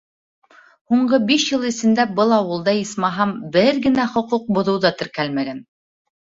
Һуңғы биш йыл эсендә был ауылда, исмаһам, бер генә хоҡуҡ боҙоу ҙа теркәлмәгән.